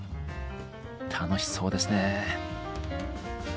楽しそうですね。